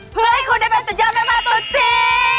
เพื่อให้คุณได้เป็นสุดยอดแม่บ้านตัวจริง